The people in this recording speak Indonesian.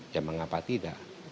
ya mengapa tidak